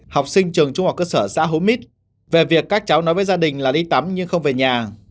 học sinh trường trung học cơ sở xã hố mít về việc các cháu nói với gia đình là đi tắm nhưng không về nhà